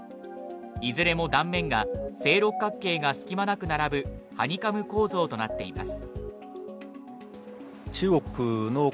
いずれも断面が正六角形が隙間なく並ぶハニカム構造となっています。